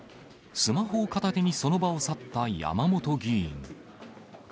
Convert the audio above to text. スマホを片手にその場を去った山本議員。